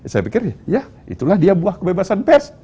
saya pikir ya itulah dia buah kebebasan pers